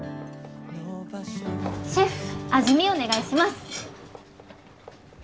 シェフ味見お願いします。